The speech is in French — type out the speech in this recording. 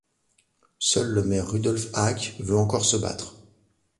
Seul le maire Rudolf Haake veut encore se battre.